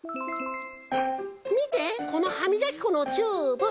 みてこのはみがきこのチューブ！